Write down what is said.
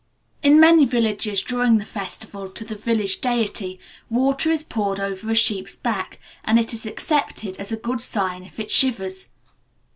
In many villages, during the festival to the village deity, water is poured over a sheep's back, and it is accepted as a good sign if it shivers.